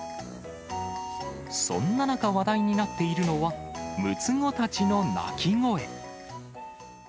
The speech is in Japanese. そんな中、話題になっているのは、６つ子たちの鳴き声。